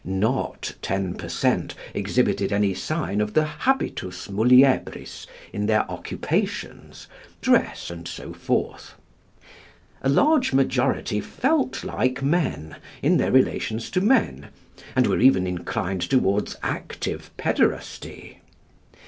Not ten per cent. exhibited any sign of the habitus muliebris in their occupations, dress, and so forth. A large majority felt like men in their relations to men, and were even inclined toward active pæderasty.